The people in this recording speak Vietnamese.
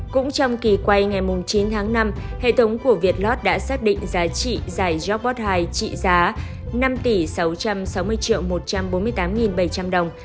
cũng trong kỳ quay ngày chín tháng năm hệ thống của việt lot đã xác định giá trị giải jackpot hai trị giá năm sáu trăm sáu mươi một trăm bốn mươi tám bảy trăm linh đồng